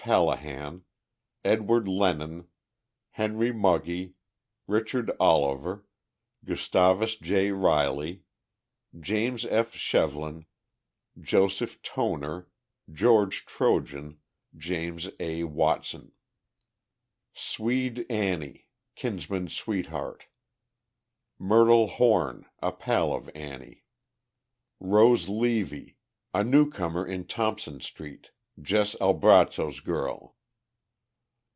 Hallihan, Edward Lennon, Henry Mugge, Richard Oliver, Gustavus J. Riley, James F. Shevlin, Joseph Toner, George Trojan, James A. Watson. "SWEDE ANNIE," Kinsman's sweetheart. MYRTLE HORN, a pal of Annie. ROSE LEVY, a newcomer in Thompson street, Jess Albrazzo's girl.